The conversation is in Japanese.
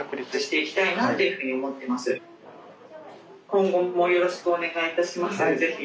「今後もよろしくお願いいたしますぜひ」。